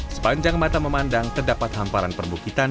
sepanjang mata memandang terdapat hamparan perbukitan